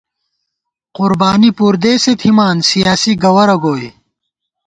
قربانی پُردېسے تھِمان سیاسی گوَرَہ گوئی